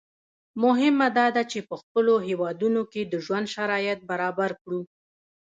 مهمه دا ده چې په خپلو هېوادونو کې د ژوند شرایط برابر کړو.